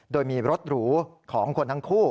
โดยมีรถหรูของคนทั้งคู่